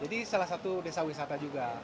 jadi salah satu desa wisata juga